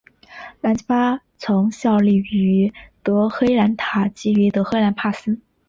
兰吉巴曾效力于德黑兰塔吉于德黑兰帕斯。